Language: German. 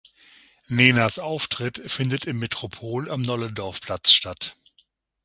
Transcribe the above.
Nenas Auftritt findet im Metropol am Nollendorfplatz statt.